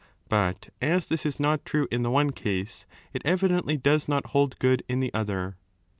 But as this ia not true in le one case, it evidently does not hold good in the :her.